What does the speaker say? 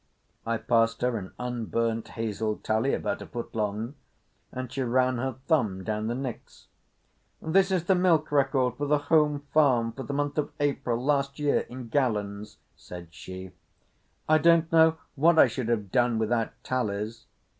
I passed her an unburned hazel tally, about a foot long, and she ran her thumb down the nicks. "This is the milk record for the home farm for the month of April last year, in gallons," said she. "I don't know what I should have done without tallies.